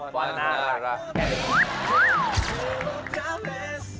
ขวัญน่ารัก